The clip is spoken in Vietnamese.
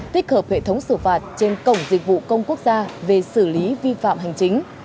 một hệ thống xử phạt trên cổng dịch vụ công quốc gia về xử lý vi phạm hành chính